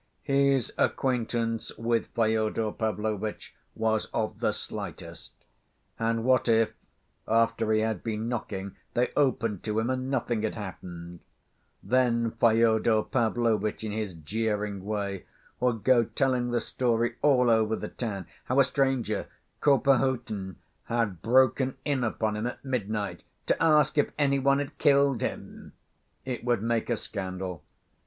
His acquaintance with Fyodor Pavlovitch was of the slightest, and what if, after he had been knocking, they opened to him, and nothing had happened? Then Fyodor Pavlovitch in his jeering way would go telling the story all over the town, how a stranger, called Perhotin, had broken in upon him at midnight to ask if any one had killed him. It would make a scandal.